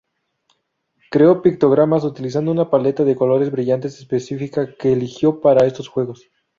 Creó pictogramas utilizando una paleta de colores brillantes específica que eligió para estos Juegos.